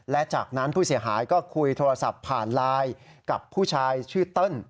และจากนั้นผู้เสียหายก็คุยโทรศัพท์ผ่านไลน์กับผู้ชายชื่อเติ้ล